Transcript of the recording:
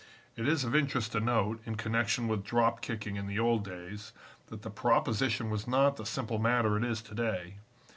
"It is of interest to note, in connection with drop kicking in the old days, that the proposition was not the simple matter it is to day.